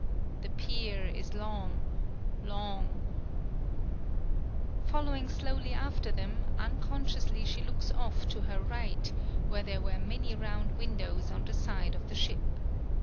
The pier is long long Following slowly after them, uncon sciously she looks off to her right where there were many round windows on the side of the ship.